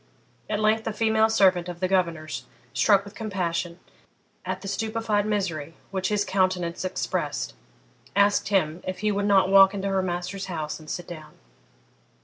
At length a female servant of the governor's, struck with compassion, at the stupefied misery which his countenance expressed, asked him if he would not walk into her master's house and sit down?